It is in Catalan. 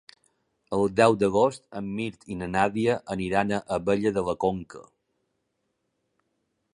El deu d'agost en Mirt i na Nàdia aniran a Abella de la Conca.